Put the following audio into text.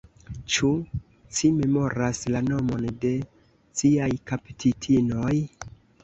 Ĉu ci memoras la nomon de ciaj kaptitinoj?